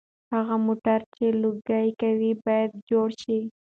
هغه موټر چې لوګي کوي باید جوړ شي.